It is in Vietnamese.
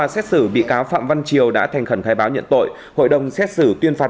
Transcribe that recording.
xét xử bị cáo phạm văn triều đã thành khẩn khai báo nhận tội hội đồng xét xử tuyên phạt